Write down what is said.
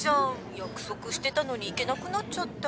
約束してたのに行けなくなっちゃった。